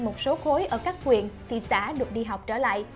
một số khối ở các huyện thị xã được đi học trở lại